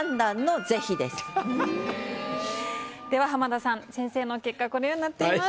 では浜田さん先生の結果このようになっています。